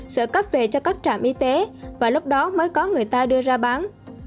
sẽ cấp về cho các trạm y tế và lúc đó mới có người ta đưa ra bán